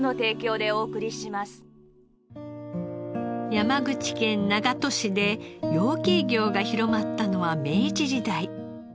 山口県長門市で養鶏業が広まったのは明治時代。